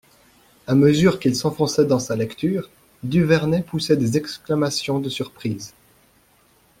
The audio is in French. A mesure qu'il s'enfonçait dans sa lecture, Duvernet poussait des exclamations de surprise.